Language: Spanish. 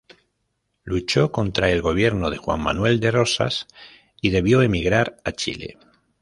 Luchó contra el gobierno de Juan Manuel de Rosas y debió emigrar a Chile.